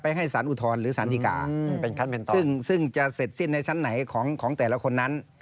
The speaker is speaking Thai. ไปให้สารอุทธรณ์หรือสารธิกาซึ่งจะเสร็จสิ้นในชั้นไหนของแต่ละคนนั้น